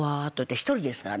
１人ですから。